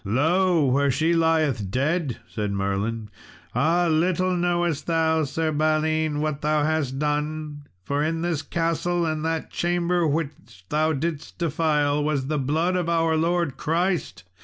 "Lo! where she lieth dead," said Merlin. "Ah, little knowest thou, Sir Balin, what thou hast done; for in this castle and that chamber which thou didst defile, was the blood of our Lord Christ!